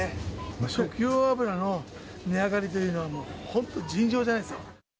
食用油の値上がりというのはもう本当、尋常じゃないですよ。